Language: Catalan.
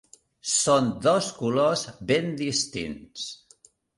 Són dos colors ben distints.